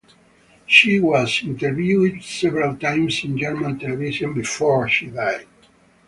She was interviewed several times in German television before she died.